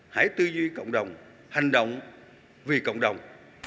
hãy tư duy cộng đồng hành động vì cộng đồng